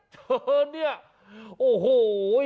เธอเนี่ยโอ้โห